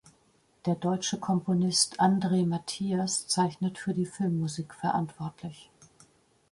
Der deutsche Komponist Andre Matthias zeichnet für die Filmmusik verantwortlich.